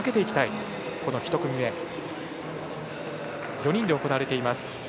４人で行われています。